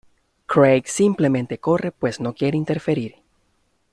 Craig simplemente corre pues no quiere interferir.